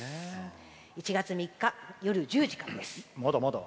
１月３日、夜１０時からです。